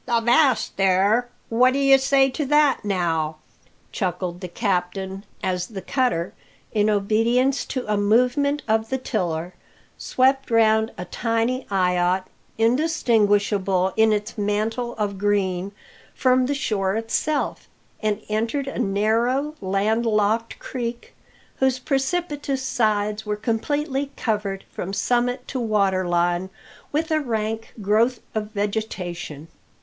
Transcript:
"Avast there! What d'ye say to that, now?" chuckled the captain, as the cutter, in obedience to a movement of the tiller, swept round a tiny eyot indistinguishable in its mantle of green from, the shore itself, and entered a narrow, land locked creek, whose precipitous sides were completely covered from summit to water line with a rank growth of vegetation.